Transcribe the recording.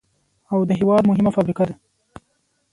او د هېواد مهمه فابريكه ده،